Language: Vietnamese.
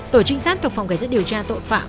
tòa trinh sát thuộc phòng kẻ diễn điều tra tội phạm